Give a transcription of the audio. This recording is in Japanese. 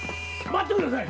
待ってください！